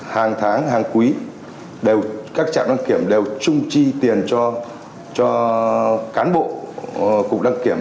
hàng tháng hàng quý các trạm đăng kiểm đều trung trì tiền cho cán bộ cục đăng kiểm